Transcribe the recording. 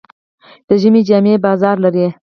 د ژمي جامې بازار لري.